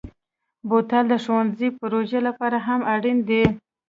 بوتل د ښوونځي پروژو لپاره هم اړین دی.